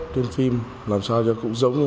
trên phim làm sao cho cũng giống như